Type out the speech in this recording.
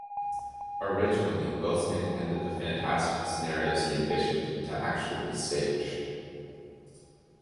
Originally, Wilson intended the fantastical scenarios he envisioned to actually be staged.